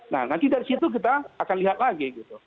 nah nanti dari situ kita akan lihat lagi gitu